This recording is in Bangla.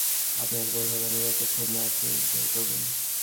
আপনার গোল হবে না যতক্ষণ না আপনি গোল করবেন!